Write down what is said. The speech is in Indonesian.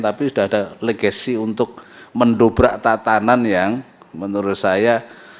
tapi sudah ada legasi untuk mendobrak tatanan yang menurut saya